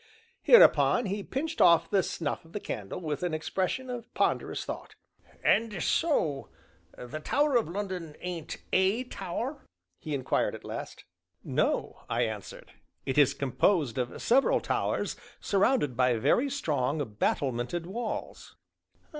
Hereupon he pinched off the snuff of the candle with an expression of ponderous thought. "And so the Tower o' London ain't a tower?" he inquired at last. "No," I answered; "it is composed of several towers surrounded by very strong, battlemented walls."